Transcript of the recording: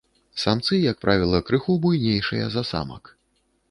Самцы, як правіла, крыху буйнейшыя за самак.